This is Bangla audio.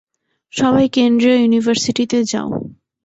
সবাই কেন্দ্রীয় ইউনিভার্সিটিতে যাও।